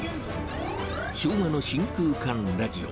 昭和の真空管ラジオ。